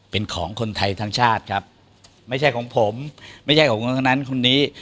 เป็นของคนไทยทั้งชาติครับไม่ใช่ของผมไม่ใช่ของคนทั้งนั้นคนนี้